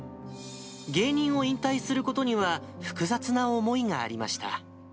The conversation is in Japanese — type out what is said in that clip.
芸人を引退することには複雑な思いがありました。